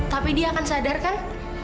tapi dia akan sadarkan